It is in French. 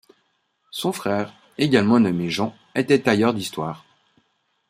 Son frère, également nommé Jean, était tailleur d'histoires.